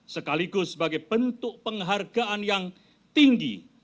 sekaligus sebagai bentuk penghargaan yang tinggi